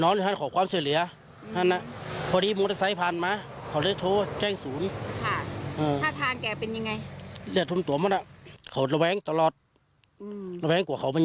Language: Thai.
นี่ค่ะคนที่มาช่วยนะครับ